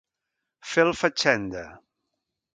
Fer el fatxenda.